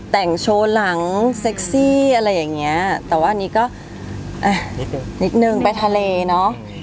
แต่ว่าอันนี้ก็นิดนึงไปทะเลเนาะ